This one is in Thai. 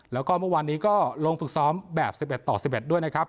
แล้วก็เมื่อวานนี้ก็ลงฝึกซ้อมแบบ๑๑ต่อ๑๑ด้วยนะครับ